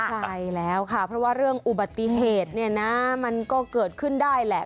ใช่แล้วค่ะเพราะว่าเรื่องอุบัติเหตุเนี่ยนะมันก็เกิดขึ้นได้แหละ